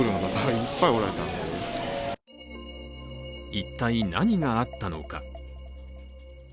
一体、何があったのか。